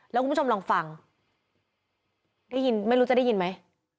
แล้วคุณผู้ชมลองฟังได้ยินไม่รู้จะได้ยินไหม